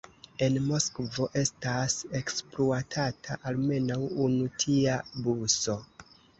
En Moskvo estas ekspluatata almenaŭ unu tia buso.